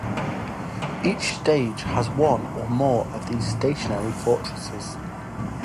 Every stage has one or more of these stationary fortresses.